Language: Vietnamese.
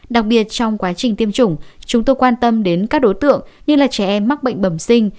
đặc biệt trong quá trình tiêm chủng chúng tôi quan tâm đến các đối tượng như là trẻ em mắc bệnh bẩm sinh